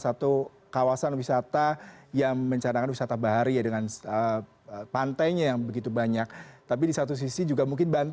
satu kawasan wisata yang mencarakan we startabari dengan partial yang begitu banyak tapi di satu sisi